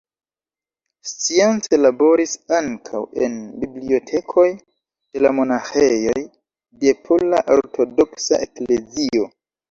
Science laboris ankaŭ en bibliotekoj de la monaĥejoj de Pola Ortodoksa Eklezio.